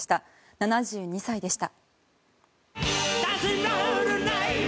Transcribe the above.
７２歳でした。